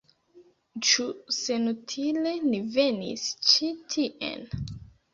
Ĉu senutile ni venis ĉi tien?